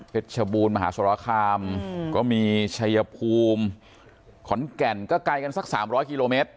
เจ็ดชะบูนมหาสารคามอืมก็มีชายภูมิขอนแก่นก็ไกลกันสักสามร้อยกิโลเมตร